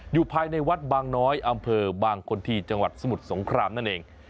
อยู่ภายในวัดบางน้อยอำเภอบางคนที่จังหวัดสมุทรสงครามนั่นเอง